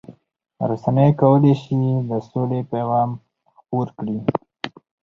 رسنۍ کولای شي د سولې پیغام خپور کړي.